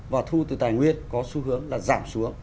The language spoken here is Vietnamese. và thu từ tài nguyên có xu hướng là giảm xuống